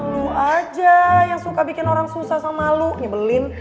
lu aja yang suka bikin orang susah sama lu nyebelin